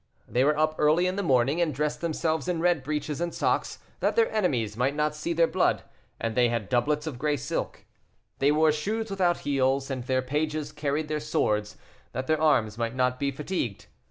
They were up early in the morning, and dressed themselves in red breeches and socks, that their enemies might not see their blood, and they had doublets of gray silk. They wore shoes without heels, and their pages carried their swords, that their arms might not be fatigued.